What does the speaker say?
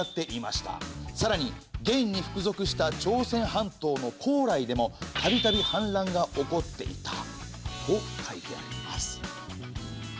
さらに元に服属した朝鮮半島の高麗でもたびたび反乱が起こっていたと書いてあります。